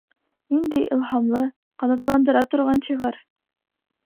Ниндәй илһамлы, ҡанатландыра торған шиғыр.